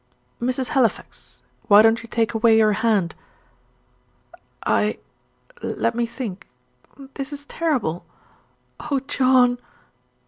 "Mrs. Halifax, why don't you take away your hand?" "I? let me think. This is terrible. Oh, John!"